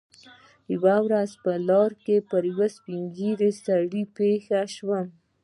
یوه ورځ په لاره کې پر یوه سپین ږیري سړي پېښ شوم.